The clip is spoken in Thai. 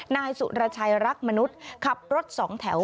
นายสุรชัยรักมนุษย์ขับรถสองแถว